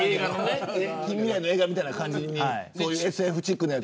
近未来の映画みたいなＳＦチックなやつ。